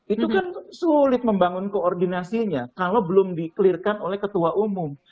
itu kan sulit membangun koordinasinya kalau belum di clear kan oleh ketua umum